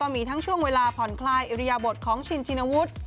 มีทั้งช่วงเวลาผ่อนคลายอิริยบทของชินชินวุฒิ